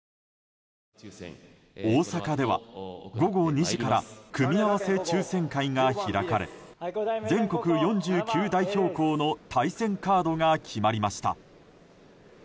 大阪では午後２時から組み合わせ抽選会が開かれ全国４９代表校の対戦カードが決まりました。